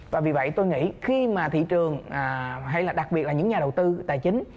và vì vậy tôi nghĩ khi mà thị trường hay là đặc biệt là những nhà đầu tư tài chính